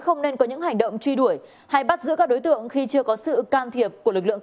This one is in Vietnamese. không nên có những hành động truy đuổi hay bắt giữ các đối tượng khi chưa có sự can thiệp của lực lượng